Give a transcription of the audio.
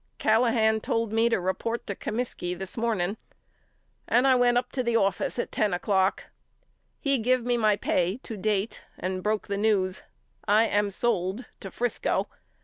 Callahan told me to report to Comiskey this morning and I went up to the office at ten o'clock. He give me my pay to date and broke the news. I am sold to Frisco.